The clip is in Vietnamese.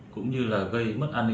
cũng như là gây mất hành vi